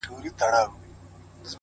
میاشته کېږي بې هویته. بې فرهنګ یم.